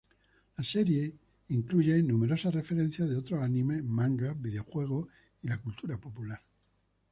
La serie incluye numerosas referencias de otros animes, mangas, videojuegos y la cultura popular.